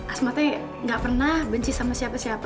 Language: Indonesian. asma tuh nggak pernah benci sama siapa siapa abah